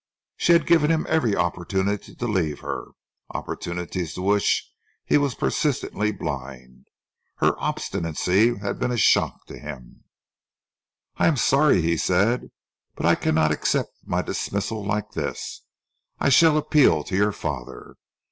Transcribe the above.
She had given him every opportunity to leave her, opportunities to which he was persistently blind. Her obstinacy had been a shock to him. "I am sorry," he said, "but I cannot accept my dismissal like this. I shall appeal to your father.